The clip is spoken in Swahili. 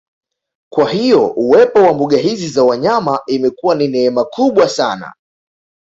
Kwa hiyo uwepo wa mbuga hizi za wanyama imekuwa ni neema kubwa sana